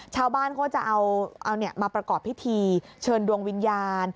ชาวบ้านเขาจะเอามาประกอบพิธีเชิญดวงวิญญาณ